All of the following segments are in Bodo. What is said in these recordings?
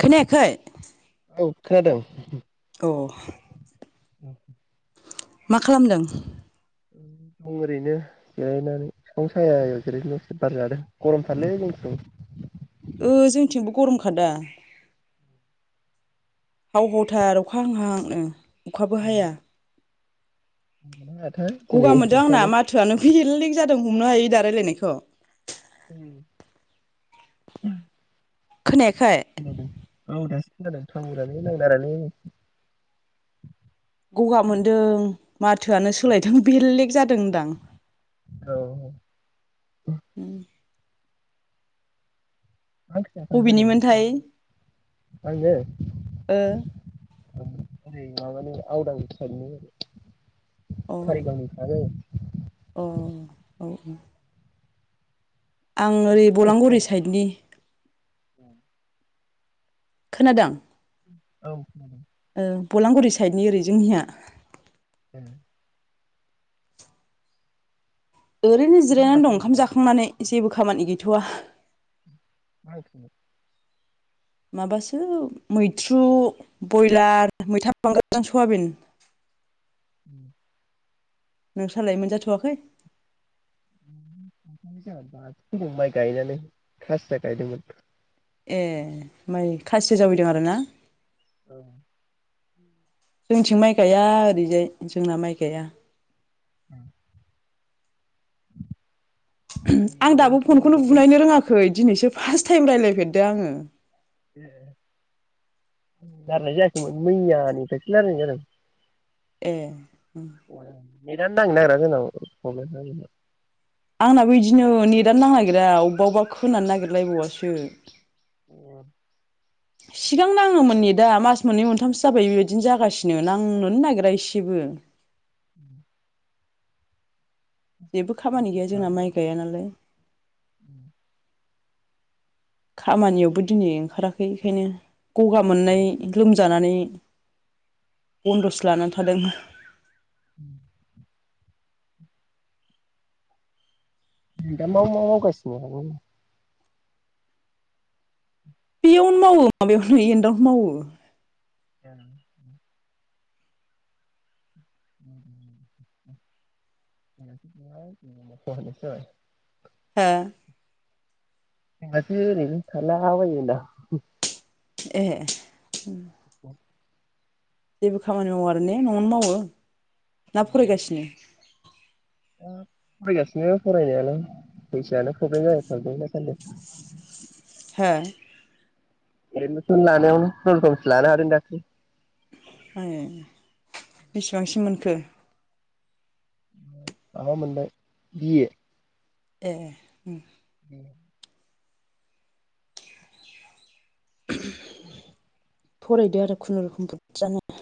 खोनायाखै औ खोनादों अ औ मा खालामदों दं ओरैनो जिरायनानै बिफां सायायाव जिरायनानै बार जादों गरमथारलै जोंनिथिं गरम खादा हाव हावथार अखा हाहांहांनो अखाबो हाया बिराद गगा मोनदों आंना माथोआनो बेलेग जादों हमनो हायोदा रायलायनायखौ उम खोनायाखै खोनादों औ दे खोनादों टावारानो नांनो नागिरालै गगा मोनदों माथोआनो सोलायदों बेलेग जादों जादों होनदां औ ओ उम मा ओंख्रि जाखांखो होनदों बबेनिमोनथाय नोंसिना आङो अ ओरै माबानि अवदान साइटनि खारिगावनि साहा जायो औ औ आं ओरै भलामगुरि खोनादों साइडनि ए खोनादों औ खोनादों भलामगुरि साइडनि ओरै जोंनिया। ओरैनो जिरायनानै दं, जाखांबाय ओंखाम नामा जाखांनानै जेबो खामानि गैया। थावा [unintelligible] माबासो मैथ्रु ब्रयलार मैथा बांगाल सवाबिन। [inaudible] नोंस्रालाय मोनजाथ'वाखै? जोंहा दासो फैदों माइ गायनानै खासिया गायदोंमोन। ए ओमफ्राय खासि जावैदों आरो ना? जोंथिं माइ गाया ओरैजाय जोंना माइ गाया। ए आं दाबो रायलायनाय फनखौनो बुनायनो रोङाखै। दिनैसो फार्स्ट टाइम रायज्लायफेरदो आङो। ए रायलायनाय जायाखैमोन मैयानिफ्रायसो रायायनाय जादों। ए । नेतयानो नांनो नागिरा जोंनाव । आंनाबो बिदिनो नेटनोां नागिरा अबबा अबबा । खोनानो नागिरलायबावसो । [unintelligible] सिगां नाङोमोननि दा मास मोननै मोनथामसो जाबाय बेबायदिनो जागासिनो नांनोनो नागिरा एसेबो । [unintelligible] जेबो खामानि गैया जोंना माइ गाया नालाय । खामानियावबो दिनै ओंखाराखै बेखायनो ग'गा मोननाय लोम जानानै बन्दसो लानानै थादों । [unintelligible] दों दा मा मा मावगासिनो नों? बेयावनो मावो माबायावनो एनन्दावनो मावो । [unintelligible] [unintelligible] हा । जोंहासो ओरैनो थालाबायो होनदां । ए । [unintelligible] देबो खामानि मावो आरो ने न'आवनो मावो? ना फरायगासिनो? दा फरायगासिनो फरायनायालाय फैसायानो प्रब्लेम जायो थार दै थाखायनो। हो । एडमिसन लानायावनो खुनुरुखुमसो लानो हादों दाक्लि । आइ ए बिसिबांसिम मोनखो? माबा मोनबाय बिए' । ए ओम । [unintelligible] फरायदो आरो खुनुरुखुम बुदजानो ।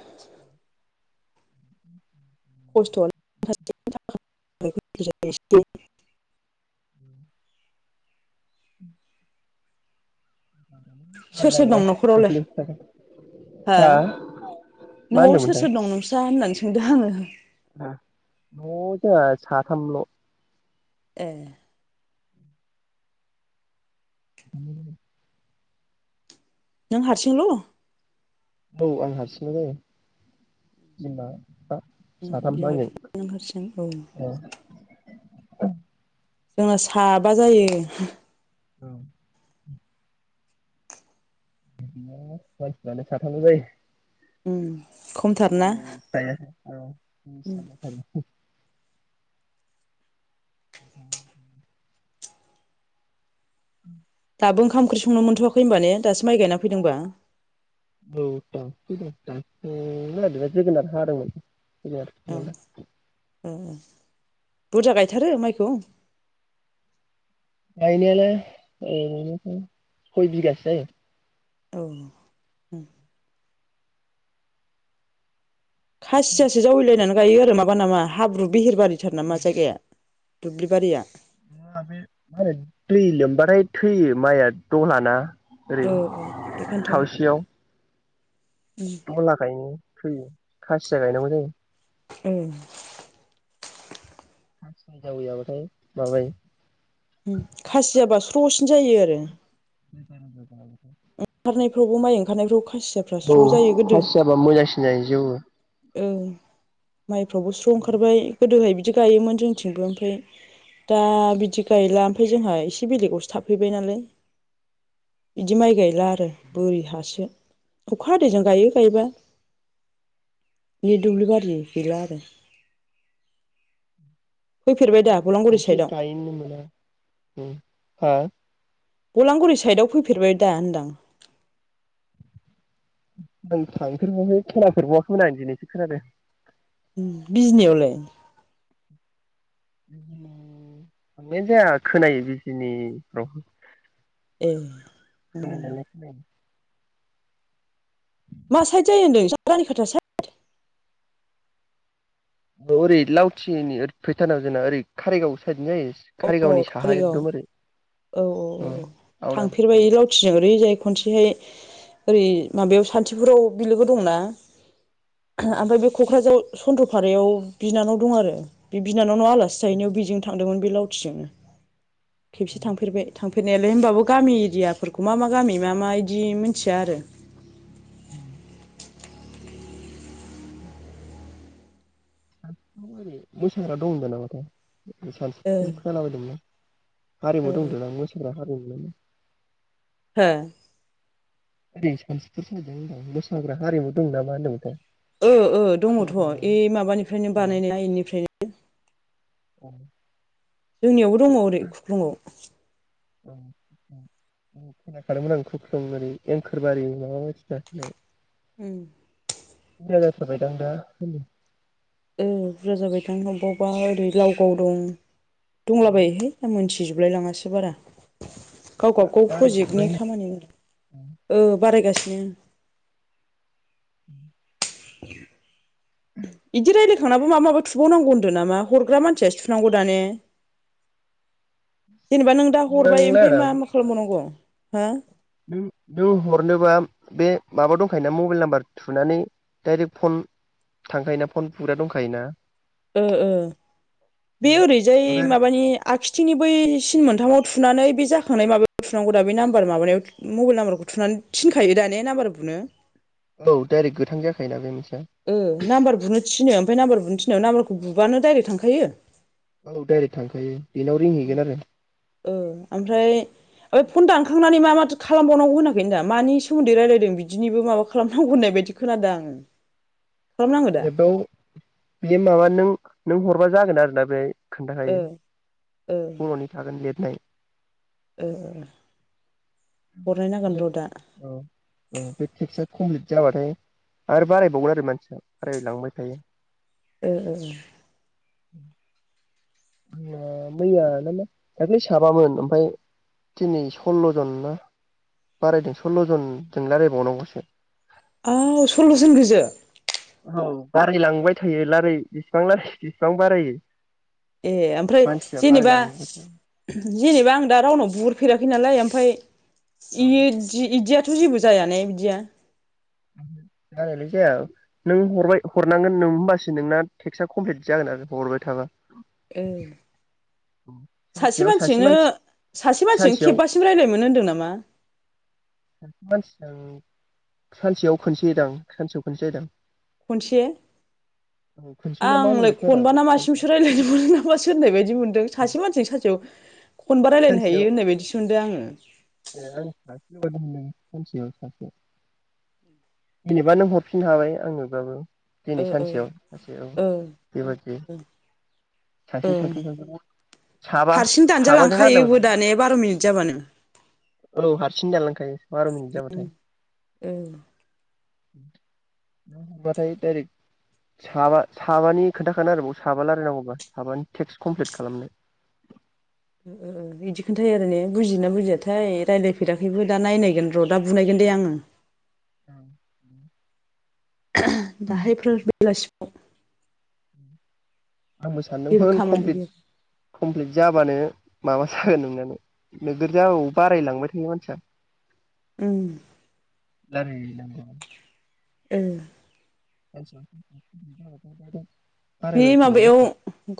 खस्थ'आ [unintelligible] जानो सोर सोर नागिरा दं न'खरावलाय प्रब्लेमा हा मा न'आव होनदोंमोन सोर सोर दं नस्रा होन थोंदो हांयो । न'आव जोंहा साथामल' ए । [unintelligible] नों हारसिंल'? औ आं हारसिङनो जायो बिमा बिफा साथाम बिमा आंजों बिफा नों हारसिं औ । जोंना साबा जायो औ । बिदिनो मानसिफ्रानो साथामल' जायो । ओम [unintelligible] [unintelligible] [unintelligible] दाबो ओंखाम ओंख्रि संनो मोनथ'वाखै होनब ने दासो माइ गायना फैदोंबा औ जोगोनार हादोंमोन [unintelligible] ए बुरजा गायथारो माइखौ? गायनायालाय [unintelligible] सय बिगासो जायो औ खासियासो जावैलायनानै गायो आरो माबा नामा हाब्रु बिहिरबारिथार ना मा जायगाया? दुब्लिबारिया म बे मा होनो दै लोमबाथाय थैयो माइया दहलाना ओरै ओ ओ बेखायनोथ' खावसेयाव [unintelligible] फैयो खासिया गायनांगौ जायो ए जावैयाबाथाय माबाय खासियाब्ला स्र'सिन जायो आरो [unintelligible] ओंखारनायफ्रावबो माइ ओंखारनायफ्राव खासियाफ्रा स्र' जायो औ गोदो खासियाबा मोजांसिन जायो जौवो ओ माइफ्रावबो स्र' ओंखारबाय गोदोहाय बिदि गायोमोन जोंथिंबो ओमफ्राय दा बिदि गायला ओमफ्राय जोंहा एसे बेलेगावसो थाफैबाय नालाय बिदि माइ गायला आरो बोरि हासो अखा हादैजों गायो गायबा। दि दुब्लि बारि गैला आरो। फैफेरबाय दा बलांगुरि खावसे साइदआव गायनोनो मोना उम, हा? बलांगुरि साइदाव फैफेरबाय दा होनदां? आं थांफेरबावाखै खोनाफेरबावाखैमोन आं दिनैसो खोनादों। बिजनियावलाय? थांनाय जाया खोनायो बिजिनिफ्राव। ए। खोनानायालाय खोनायो। मा साइद जायो होनदों नोंसिना रानि खाथा साइद? औ ओरै लावथिनि ओरै फैथार नांगौ जोंना ओरै खारारिगाव साइद जायो। अह कारिगावनि साहा कारिगाव। एकदम ओरै औ औ अ औ आवदां साइद थांफेरबाय लावथिजों। ओरैजाय खनसेहाय ओरै माबायाव सानतिफुराव बिलोगो दंना। औ ओमफ्राय बे क'क्राझाराव चन्द्रफारायाव बिनानाव दं आरो बे बि नानाव नाव आलासि जाहैनायाव बिजोंं थांदोंमोन। बे लावथिजोंनो खेबसे थांफेरबाय थांफेरनायालाय होमबाबो गामि एरियाफोरखौ मा मा गामि, मा मा इदि मिथिया आरो। उम। दाथ' ओरै मोसाग्रा दं होनदों नामाथाय? बे सानसेथिं खोनबायदोंमोन आं। ओ हारिमु दं दो नां मोसाग्रा हारि [unintelligible] हो? ओरै सानतिफुर जों दो होनदां मोसाग्रा हारिमु दं नामा होनदोंमोनथाय। ओ ओ दङथ' खोनादों ए माबानिफ्रायनो बानायनाय आइननिफ्राय [unintelligible] उम। जोंनियाव बो दङ ओरै ओरै खुख्लङाव। उम उम खोनाखादोंमोन आं खुख्लं ओरै एंखोरबारि माबा बायसिना होनाय। उम। बुरजा जाथारबाय दां दा उम। ओ बुरजा जाबाय थां अबावबा ओरै लावगाव दं दंला बायोहाय आं मोनथि थिजोबलाय लाङासो बारा। गाव गाव गाव बारायदेरबाय प्रजेक्टनि खामानि ओ बारायगासि [unintelligible] बिदि रायलायखांनाबो मा माबो थुबावनांगौ होनदों नामा हरग्रा मानसियासो थुनांगौ दा ने जेनेबा नों दा हरबाय बुंनांला आरो ओमफ्राय आं मा मा खालामबावनांगौ हा नों नों हरनोबा बे माबा दंखायोना मबाइल नाम्बार थुनानै डाइरेक्ट फन थांखायोना फन बुग्रा दंखायोना ओ - ओ बे ओरैजाय माबानि आगिथिंनि बै सिन मोनथामाव थुनानै बे जाखांनाय माबायाव थुनांगौ दा बे नाम्बार माबानायाव मबाइल नाम्बारखौ थुनानै थिनखायो दा ने नाम्बार बुनो औ डाइरेक्ट गोथां जाखायोना बे मोनसे ओ नामबार बुनो थिनो ओमफ्राय नाम्बार बुनो थिन नाम्बारखौ बुबानो डाइरेक्ट थांखायो औ दायरेक थांखायो बेनाव रिंहैगोन आरो औ ओमफ्राय ओ फन दानखांनानै मा मा माथो खालामबावनांगौ होनाखै दा मानि सोमोन्दै रायलायदों बिदिनिबो माबा खालामनांगौ होननाय बायदि खोनादों आं एबायाव बे माबा नों नों हर बा जागोन आरोना बेहाय ओ खोन्थाखायो बरनि थागोन लिर नै ओ - ओ हरनायनांगोन औ र' दा - औ बे थिसे [unintelligible] जाबाथाय आरो बारायबावगोन आरो मानसिया बारायलांबाय थायो ओ - ओ - ओ [inaudible] मैया मैया नामा दाख्लै साबामोन ओमफफ्राय दिनै सल्ल जन ना बारायदों सल्ल जनजों राय्लायबावनांगौसो आव सल्लजन गोजो औ बारायलांबाय थायो लारायो बेसिबां लारायो बेसिबां बारायो ए ओमफ्राय मानसिया जेनेबा बारायलांबाय थायो जेनेबा आं दा रावनाव बुरफेराखै नालाय ओमफाय औ इदि इदिया थ जेबो जाया ने बिदिया जानायलाय जाया नों हरबाय हरनांगोन नों होमबासो नोंना टेक्सआ कमप्लिट जागोन आरो हरबाय थाबा ए सासे सानसेयाव मानसिजोंनो मानसि सासे मानसिजों सानसेयाव खेबबासिम रायज्लाय मोनो होनदों नामा सासे मानसि जों सानसेयाव खनसेदां सानसेयाव खनसे जायोदां खनसे औ खनसे ना मा आंलाय होनोमोनलाय खोनादां खनबा ना मासिजोंसो सानसेयाव रायजलायनोदों नामा सोर होननाय बायदि मोनदों सासे मानसिजों सासेयाव खनबा रायलायनो हायो सानसेयाव होननाय बायदिसो मोनदों आङो ए आं सासेल' बायदि मोनदों सानसेयाव सासे जेनेबा नों हरफिननो हाबाय आंनोबाबो दिनै ओ सानसेयाव सासे औ ओ बेबायदि ओ ओ सासे सासे साबा हारसिं साबाजोंना औ दानजालांखायोबो दाने बार' मिनिट जाबानो औ हारसिं दानलांखायो बार' मिनिट जाबाथाय। ओ होनबाथाय दायरेक्ट साबा साबानि खोन्थाखानो आरोबाव साबा रायलायनांगौबा साबानि टेक्सट कमप्लिट खालामनो ओ ओ बिदि खोन्थायो आरो ने बुजियोना बुजियाथाय रायलायफेराखैबो दा नायनायगोन र दा बुनायगोन दे आङो। औ दाहायफोर बेलासिब आव आंबो सानदोंमोन खामानि कमप्टिट गैया कमप्लिट जाबानो माबा जागोन नोंनानो नोगोर जाव बारायलांबाय थायोयो मानसिया। उम लारायै लारायै ओ [unintelligible] बे थायो माबायाव मानसिया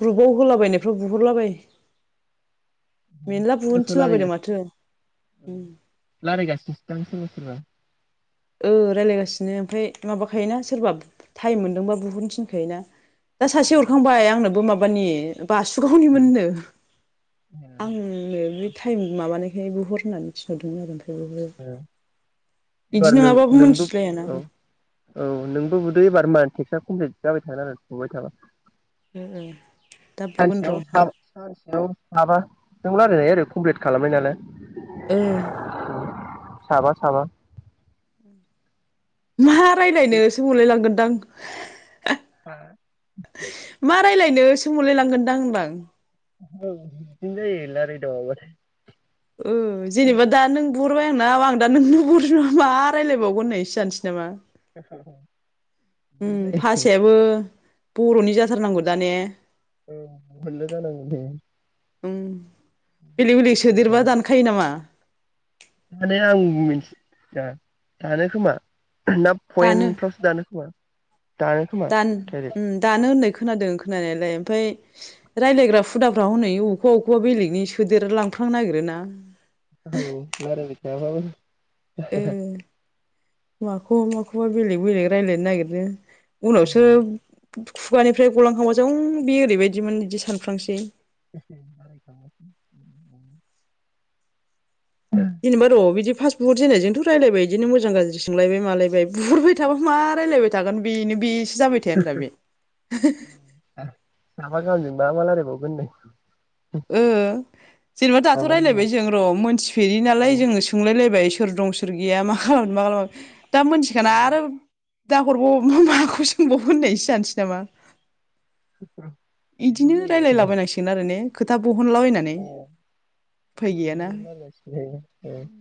ग्रुपाव होलाबायनायफ्राव बुहरलाबाय। मेरला सोर बुहोनो सोर थिनलाबायदों माथो लारायगोन उम लारायगासिनोसो दां सोरबा सोरबा ओ रायलायगासिनो ओमफ्राय माबाखायोना सोरबा टाइम मोन्दोंबा बुहरनो थिनखायोना? दा सासे हरखांबाय आंनोबो माब बानि ओब बासुगावनिमोननो आंनो मिथ टाइम माबानायखाय बहर होननानै थिनहरदोंमोन आरो बिबो एबार नों नोंबो औ औ नोंबो बुदो एबार मा टेक्सटआ कमप्लिट जाबाय थागोन आरो बुबाय थाबा। दा बुगोन र' सानसेयाव ओ सा सानसेयाव साबा नों रालायनाय ओरै कमप्लिट खालामबाय नालाय। ओ साबा साबा उम मा रायलायनोसो मोनलायलांगोन । दां हो मा रायलायनो सोंहरलाय लांगोनदां होनबा आं औ बिदिनो जायो लाराय दावाबाथाय। बुरबाय आंनाव आं दा नोंनो [unintelligible] ना मा रायज्लायबावगोन होननाय सो जानोसै नामा? उम बिदिनो भासायाबो बर'नि जाथारनांगौ दा ने? औ [unintelligible] जानांगौ दे। ओं बेलेग बेलेग सोदेरबा दानखायो नामा? जा दानो खोमा ना दानो पइन्टफ्रावसो दानो खोमा दानो खोमा दान दाइरेक्ट उम दानो होननाय खोनादों खोनानायालाय ओमफाय रायलायग्रा हुदाफ्रा हनै बबेबा अबेखौबा बेलेगनि सोदेर लांफ्लांनो नागिरोना। औ लायरायबाय थायाबाबो ओ [inaudible] माखौबा माखौबा बेलेग बेलेग रायलायनो नायगिरो। उनावसोब खुगानिफ्राय गलांखांबासो उम बेयो ओरैबायदिमोन बिदि सानफ्लांसै। [inaudible] बुहजेननायजोंथ रायलायबाय बिदिनो मोजां गाज्रि सोंलायबाय मालायबाय बुहुरबाय थाबा मा रायलायबाय थागोन बेनो बिस जाबा [unintelligible] मा रायलाय [unintelligible] [unintelligible] ओ जेनेबा दाथ' गाहामा रायलायबाय जों र' मोनथिफेरि नालाय औ जोङो सोंलायलायबाय। सोर दं सोर गैया मा खालामनो मा [unintelligible] दा मोनथिखाना आरो दा हरबाव माखौ सोंबावो होननायसो जानोसै नामा। [unintelligible] इदिनो बिदिनो जायो एखमबा रायलायलाबायनांसिगोन आरो ने खोथा बहनलाबायनानै उफाय नुनो गैयाना। मोनला गासिबो उम